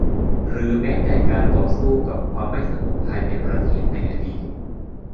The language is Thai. หรือแม้แต่การต่อสู้กับความไม่สงบภายในประเทศในอดีต